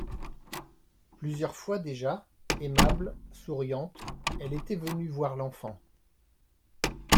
Plusieurs fois déjà, aimable, souriante, elle était venue voir l'enfant.